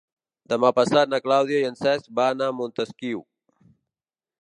Demà passat na Clàudia i en Cesc van a Montesquiu.